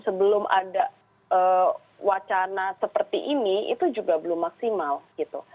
sebelum ada wacana seperti ini itu juga belum maksimal gitu